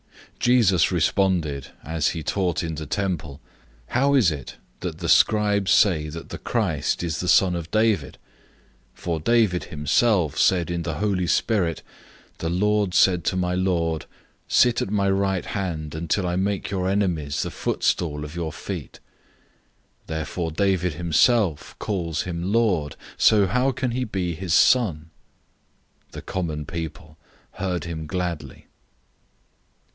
012:035 Jesus responded, as he taught in the temple, "How is it that the scribes say that the Christ is the son of David? 012:036 For David himself said in the Holy Spirit, 'The Lord said to my Lord, "Sit at my right hand, until I make your enemies the footstool of your feet."'{Psalm 110:1} 012:037 Therefore David himself calls him Lord, so how can he be his son?" The common people heard him gladly.